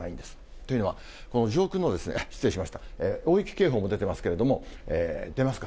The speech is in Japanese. というのは、この上空の、失礼しました、大雪警報も出てますけれども、出ますか？